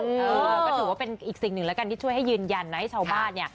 เออก็ถือว่าเป็นอีกสิ่งหนึ่งแล้วกันที่ช่วยให้ยืนยันนะให้ชาวบ้านเนี่ย